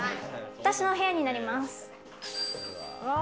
私のお部屋になります。